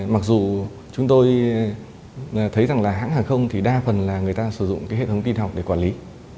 mặc dù chúng tôi thấy rằng là hãng hàng không thì đa phần là người ta sử dụng cái hệ thống tin học để quản lý